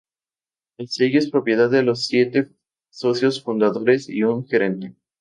El sello es propiedad de los siete socios fundadores y un gerente.